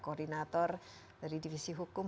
koordinator dari divisi hukum